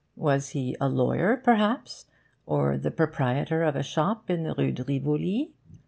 Was he a lawyer perhaps? or the proprietor of a shop in the Rue de Rivoli?